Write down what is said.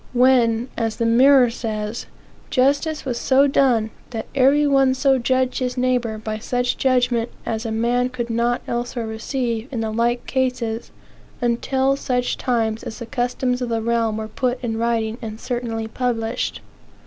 when, as the Mirror says, "justice was so done, that every one so judged his neighbor, by such judgment as a man could not elsewhere receive in the like cases, until such times as the customs of the realm, were put in writing and certainly published?"